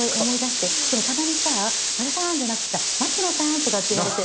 でもたまにさ「増田さーん」じゃなくてさ「松野さーん」とかって言われて。